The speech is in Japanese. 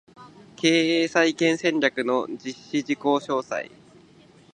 経営再建戦略の実施事項詳細